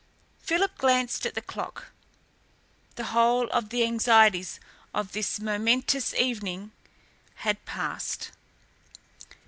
Philip glanced at the clock. The whole of the anxieties of this momentous evening had passed.